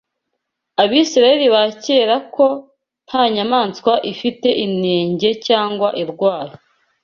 Abisirayeli ba kera ko nta nyamaswa ifite inenge cyangwa irwaye